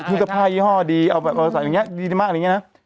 พื้นกับผ้ายี่ห้อดีเอาไปเอาใส่อย่างเงี้ยดีมากอะไรอย่างเงี้ยนะ